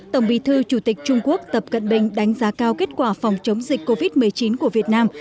tổng bí thư chủ tịch trung quốc tập cận bình đánh giá cao kết quả phòng chống dịch covid một mươi chín của việt nam